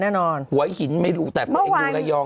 หัวให้หินไม่รู้แต่ก็หนูละยอง